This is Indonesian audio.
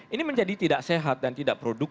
ini menjadi tidak sehat dan tidak produktif